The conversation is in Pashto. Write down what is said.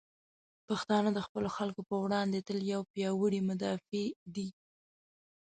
پښتانه د خپلو خلکو په وړاندې تل یو پیاوړي مدافع دی.